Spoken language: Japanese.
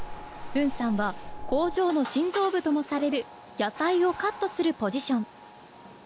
フンさんは工場の心臓部ともされる野菜をカットするポジション。